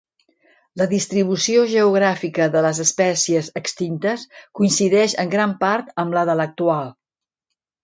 La distribució geogràfica de les espècies extintes coincideix en gran part amb la de l'actual.